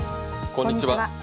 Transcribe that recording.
こんにちは。